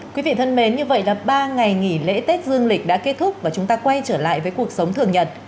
quý vị thân mến như vậy là ba ngày nghỉ lễ tết dương lịch đã kết thúc và chúng ta quay trở lại với cuộc sống thường nhật